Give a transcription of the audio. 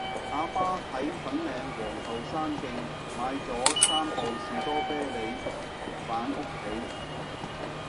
亞爸喺粉嶺皇后山徑買左三磅士多啤梨返屋企